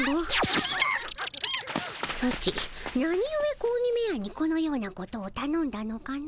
ソチなにゆえ子鬼めらにこのようなことをたのんだのかの？